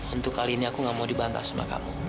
untuk kali ini aku gak mau dibantah sama kamu